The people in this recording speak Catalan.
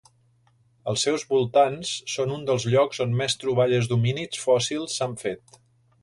Els seus voltants són un dels llocs on més troballes d'homínids fòssils s'han fet.